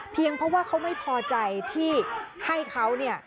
เพราะว่าเขาไม่พอใจที่ให้เขาเนี่ย